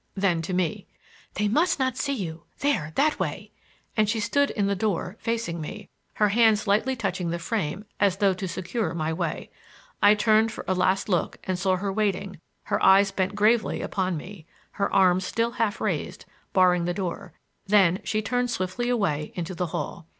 Then to me: "They must not see you—there, that way!" and she stood in the door, facing me, her hands lightly touching the frame as though to secure my way. I turned for a last look and saw her waiting—her eyes bent gravely upon me, her arms still half raised, barring the door; then she turned swiftly away into the hall.